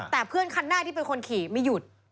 แต่เพื่อนคันหน้าที่เป็นคนขี่ไม่หยุด